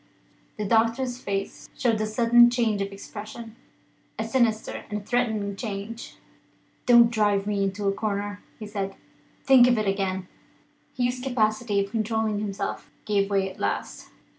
The doctor's face showed a sudden change of expression a sinister and threatening change. "Don't drive me into a corner," he said. "Think of it again." Hugh's capacity for controlling himself gave way at last.